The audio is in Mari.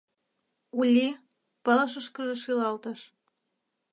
— Ули... — пылышышкыже шӱлалтыш.